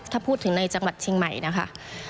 ถ้าพูดถึงในจังหวัดเชียงใหม่นะคะ